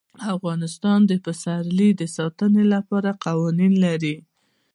افغانستان د پسرلی د ساتنې لپاره قوانین لري.